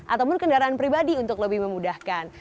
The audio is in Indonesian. ataupun kendaraan pribadi untuk lebih memudahkan